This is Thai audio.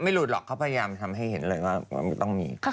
หลุดหรอกเขาพยายามทำให้เห็นเลยว่ามันต้องมี